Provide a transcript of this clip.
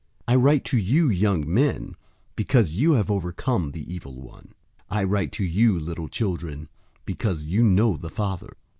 I write to you, young men, because you have overcome the evil one. I write to you, little children, because you know the Father.